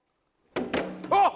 あっ！